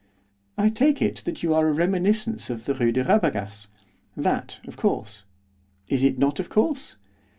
'I take it that you are a reminiscence of the Rue de Rabagas, that, of course; is it not of course?